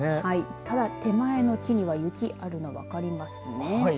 ただ、手前の木には雪があるのが分かりますね。